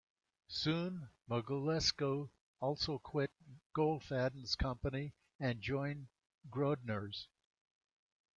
Soon Mogulesko also quit Goldfaden's company and joined Grodner's.